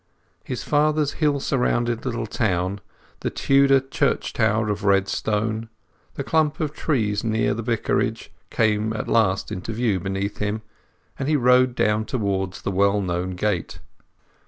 His father's hill surrounded little town, the Tudor church tower of red stone, the clump of trees near the Vicarage, came at last into view beneath him, and he rode down towards the well known gate.